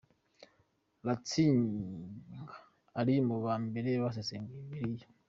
Ratsinger ari mu ba mbere basesenguye bibiliya.